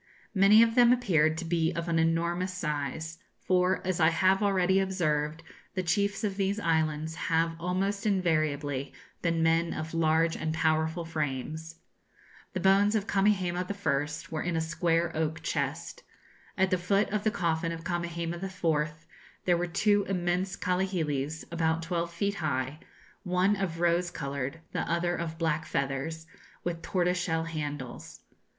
Many of them appeared to be of an enormous size; for, as I have already observed, the chiefs of these islands have almost invariably been men of large and powerful frames. The bones of Kamehameha I. were in a square oak chest. At the foot of the coffin of Kamehameha IV. there were two immense kahilis about twelve feet high, one of rose coloured, the other of black feathers, with tortoise shell handles.